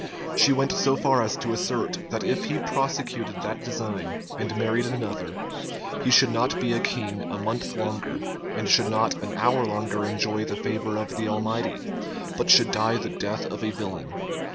She went so far as to assert, that if he prosecuted that design, and married another, he should not be a king a month longer, and should not an hour longer enjoy the favor of the Almighty, but should die the death of a villain.